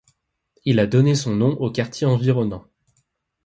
Il a donné son nom au quartier environnant.